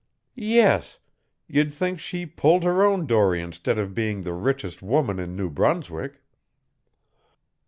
"Yes; you'd think she pulled her own dory instead of being the richest woman in New Brunswick."